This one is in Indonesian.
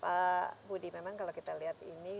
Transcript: pak budi memang kalau kita lihat ini